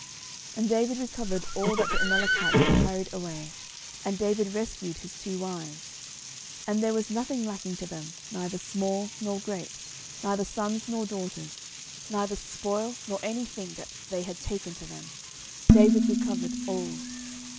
09:030:018 And David recovered all that the Amalekites had carried away: and David rescued his two wives. 09:030:019 And there was nothing lacking to them, neither small nor great, neither sons nor daughters, neither spoil, nor any thing that they had taken to them: David recovered all.